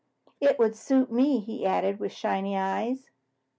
"It would suit me," he added, with shining eyes.